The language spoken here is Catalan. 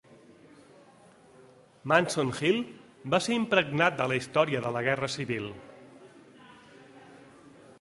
Munson Hill va ser impregnat de la història de la guerra civil.